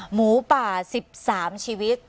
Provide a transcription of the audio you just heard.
หมูป่า๑๓ชีวิต